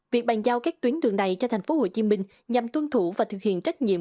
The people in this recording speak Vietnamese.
việc bàn giao các tuyến đường này cho thành phố hồ chí minh nhằm tuân thủ và thực hiện trách nhiệm